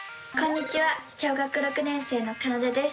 小学６年生のかなでです。